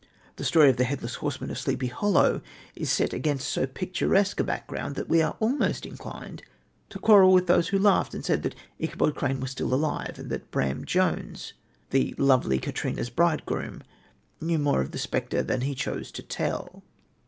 The story of the Headless Horseman of Sleepy Hollow is set against so picturesque a background that we are almost inclined to quarrel with those who laughed and said that Ichabod Crane was still alive, and that Bram Jones, the lovely Katrina's bridegroom, knew more of the spectre than he chose to tell.